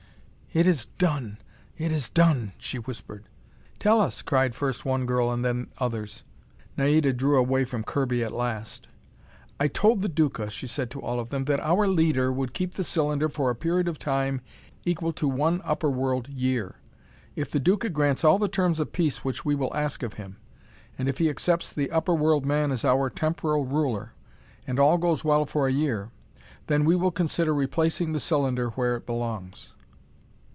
"It is done! It is done!" she whispered. "Tell us!" cried first one girl and then others. Naida drew away from Kirby at last. "I told the Duca," she said to all of them, "that our leader would keep the cylinder for a period of time equal to one upper world year. If the Duca grants all the terms of peace which we will ask of him, and if he accepts the upper world man as our temporal ruler, and all goes well for a year, then we will consider replacing the cylinder where it belongs."